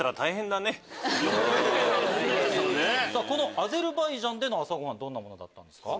アゼルバイジャンでの朝ごはんどんなものだったんですか？